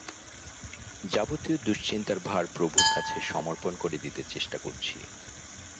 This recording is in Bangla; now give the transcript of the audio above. যাবতীয় দুশ্চিন্তার ভার প্রভুর কাছে সমর্পণ করে দিতে চেষ্টা করছি।